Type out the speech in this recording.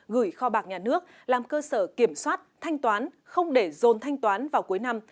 gửi kho bạc nhà nước làm cơ sở kiểm soát thanh toán không để dồn thanh toán vào cuối năm